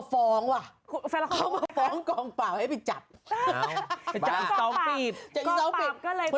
กองปราบก็เลยต้องเขียนให้จับตอบหมาย